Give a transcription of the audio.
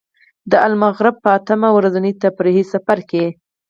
د المغرب په اته ورځني تفریحي سفر کې.